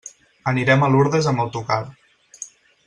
Anirem a Lurdes amb autocar.